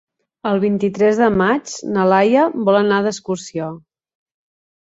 El vint-i-tres de maig na Laia vol anar d'excursió.